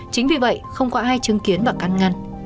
chính vì vậy không có ai chứng kiến và căn ngăn